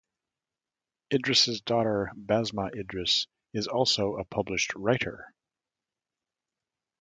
Idris' daughter Basma Idris is also a published writer.